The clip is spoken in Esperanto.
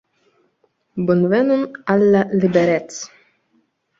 Bonvenon, Al la liberec'